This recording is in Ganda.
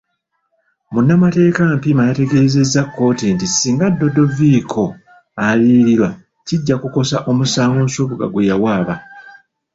Munnmateeka Mpiima yategeezezza kkooti nti singa Dodoviko aliyiririrwa, kijja kukosa omusango Nsubuga gwe yawaaba.